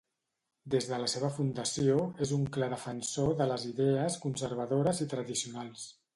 Des de la seva fundació és un clar defensor de les idees conservadores i tradicionals.